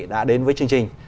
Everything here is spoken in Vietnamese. đã đến với chương trình